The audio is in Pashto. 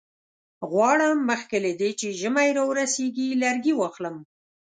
غواړم مخکې له دې چې ژمی را ورسیږي لرګي واخلم.